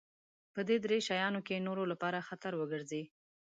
په دې درې شيانو کې د نورو لپاره خطر وګرځي.